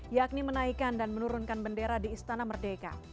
yakni menaikkan dan menurunkan bendera di istana merdeka